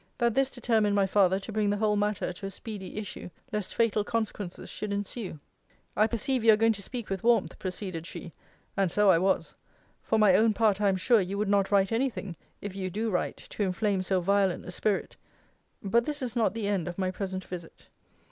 That this determined my father to bring the whole matter to a speedy issue, lest fatal consequences should ensue. I perceive you are going to speak with warmth, proceeded she: [and so I was] for my own part I am sure, you would not write any thing, if you do write, to inflame so violent a spirit. But this is not the end of my present visit.